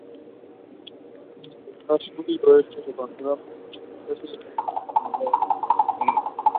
En las fachadas sur y oeste se conservan restos del antiguo foso perimetral.